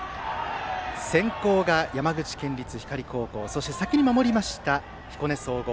先攻が山口県立光高校そして先に守ります彦根総合。